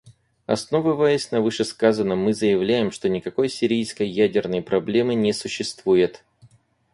Основываясь на вышесказанном, мы заявляем, что никакой сирийской ядерной проблемы не существует.